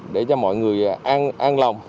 để cho mọi người an lòng